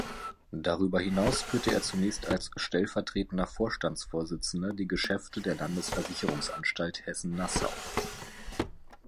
Darüber hinaus führte er zunächst als stellvertretender Vorstandsvorsitzender die Geschäfte der Landesversicherungsanstalt Hessen-Nassau.